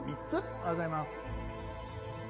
おはようございます。